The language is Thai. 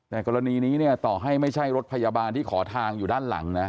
แต่กรณีนี้เนี่ยต่อให้ไม่ใช่รถพยาบาลที่ขอทางอยู่ด้านหลังนะ